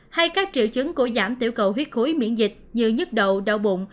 hay các triệu chứng của giảm tiểu cầu huyết khối miễn dịch như nhức đầu đau bụng